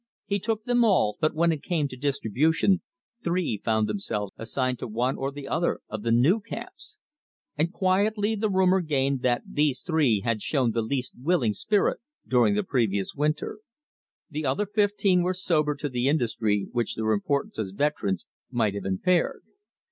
He took them all, but when it came to distribution, three found themselves assigned to one or the other of the new camps. And quietly the rumor gained that these three had shown the least willing spirit during the previous winter. The other fifteen were sobered to the industry which their importance as veterans might have impaired.